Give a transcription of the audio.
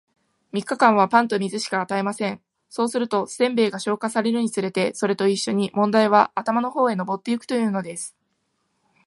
三日間は、パンと水しか与えません。そうすると、煎餅が消化されるにつれて、それと一しょに問題は頭の方へ上ってゆくというのです。